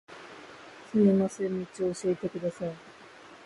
すみません、道を教えてください